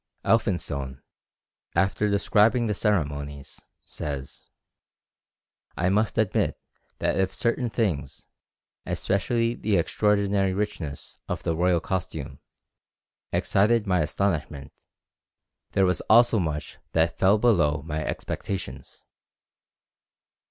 ] Elphinstone, after describing the ceremonies, says, "I must admit that if certain things, especially the extraordinary richness of the royal costume, excited my astonishment, there was also much that fell below my expectations.